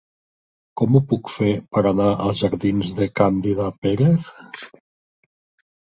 Com ho puc fer per anar als jardins de Càndida Pérez?